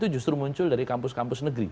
justru muncul dari kampus kampus negeri